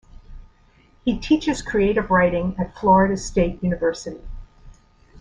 He teaches creative writing at Florida State University.